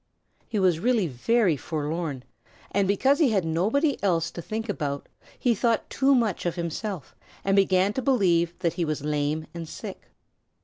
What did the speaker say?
He was really very forlorn, and because he had nobody else to think about he thought too much of himself and began to believe that he was lame and sick.